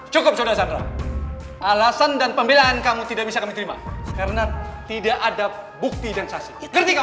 cukup sudah sandra alasan dan pembilangan kamu tidak bisa kami terima karena tidak ada bukti dan sasih ngerti kamu